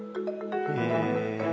へえ。